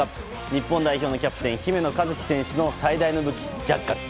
日本代表のキャプテン姫野和樹選手の最大の武器ジャッカル。